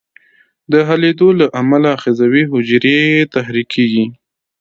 د حلېدو له امله آخذوي حجرې تحریکیږي.